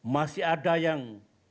masih ada yang